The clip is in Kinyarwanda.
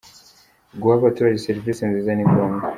guha abaturage serivise nziza ni ngombwa.